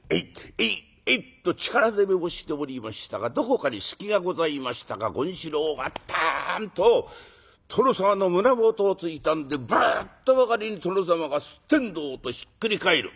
エイ！エイ！」と力攻めをしておりましたがどこかに隙がございましたか権四郎がターンっと殿様の胸元を突いたんでブルッとばかりに殿様がすってんどうとひっくり返る。